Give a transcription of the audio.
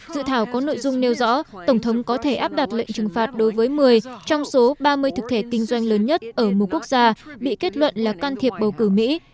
dự thảo có nội dung nêu rõ tổng thống có thể áp đặt lệnh trừng phạt đối với một mươi trong số ba mươi thực thể kinh doanh lớn nhất ở một quốc gia bị kết luận là can thiệp bầu cử mỹ